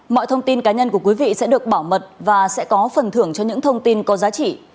mọi thông tin cá nhân của quý vị sẽ được bảo mật và sẽ có phần thưởng cho những thông tin có giá trị